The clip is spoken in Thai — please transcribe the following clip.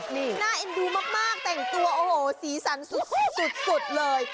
นี่น่าเอ็นดูมากแต่งตัวโอ้โหสีสันสุดเลย